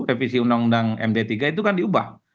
revisi undang undang md tiga itu kan diubah